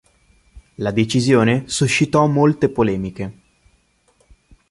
La decisione suscitò molte polemiche.